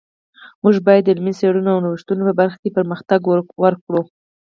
موږ باید د علمي څیړنو او نوښتونو په برخه کی پرمختګ ورکړو